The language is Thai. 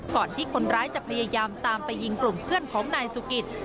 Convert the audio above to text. ก่อนที่คนร้ายจะพยายามตามไปยิงกลุ่มเพื่อนของนายสุกิต